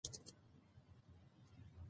بانکي سیستم د فساد په ورکولو کې مرسته کوي.